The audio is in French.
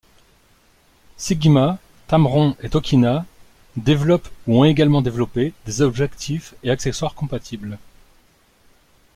Sigma, Tamron et Tokina développent ou ont également développé des objectifs et accessoires compatibles.